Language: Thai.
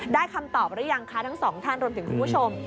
คำตอบหรือยังคะทั้งสองท่านรวมถึงคุณผู้ชม